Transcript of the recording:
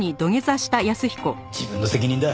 自分の責任だ。